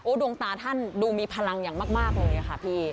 ดวงตาท่านดูมีพลังอย่างมากเลยค่ะพี่